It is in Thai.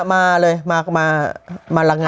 มาเลยมาหลังงับ